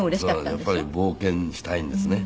やっぱり冒険したいんですね。